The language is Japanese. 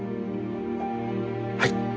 はい。